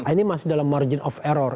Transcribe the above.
ini masih dalam margin of error